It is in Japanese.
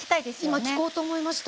今聞こうと思いました。